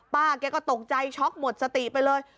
ป้าแกก็ตกใจช็อกหมดสติไปเลย